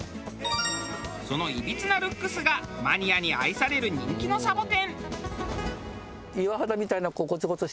そのいびつなルックスがマニアに愛される人気のサボテン。